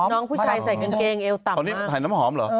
น้องผู้ชายใส่กางเกงเอวต่ำตอนนี้ใส่น้ำหอมเหรอ